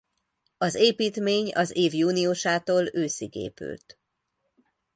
Az építmény az év júniusától őszig épült.